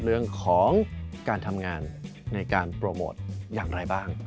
เรื่องของการทำงานในการโปรโมทอย่างไรบ้าง